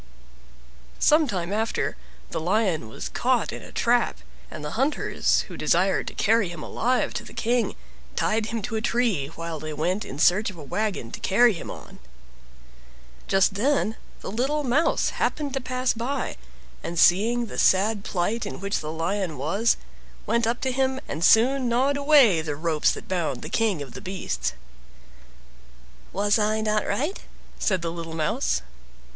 Some time after the Lion was caught in a trap, and the hunters, who desired to carry him alive to the King, tied him to a tree while they went in search of a wagon to carry him on. Just then the little Mouse happened to pass by, and seeing the sad plight in which the Lion was, went up to him and soon gnawed away the ropes that bound the King of the Beasts. "Was I not right?" said the little Mouse.